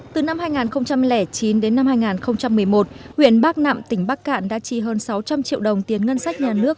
từ năm hai nghìn chín đến năm hai nghìn một mươi một huyện bắc nạm tỉnh bắc cạn đã chi hơn sáu trăm linh triệu đồng tiền ngân sách nhà nước